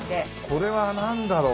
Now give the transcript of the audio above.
これはなんだろう？